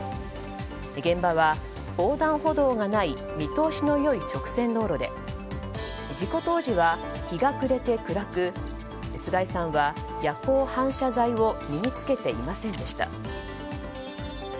現場は、横断歩道がない見通しの良い直線道路で事故当時は日が暮れて暗く菅井さんは夜光反射材を身に着けていませんでした。